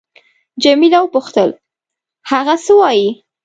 جميله وپوښتل: هغه څه وایي؟